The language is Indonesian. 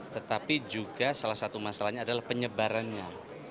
tetapi juga salah satu masalahnya adalah penyebarannya